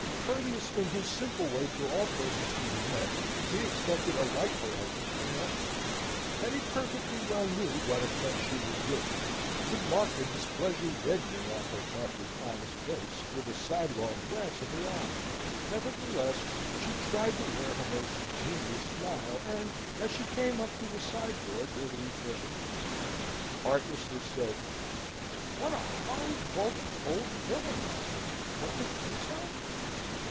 Courteous in his simple way to all persons whom he met, he expected a like politeness from them. Hetty perfectly well knew what offence she was giving; could mark the displeasure reddening on her partner's honest face, with a sidelong glance of her eye; nevertheless she tried to wear her most ingenuous smile; and, as she came up to the sideboard where the refreshments were set, artlessly said: "What a horrid, vulgar old woman that is; don't you think so?"